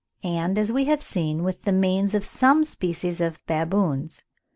and, as we have seen, with the manes of some species of baboons.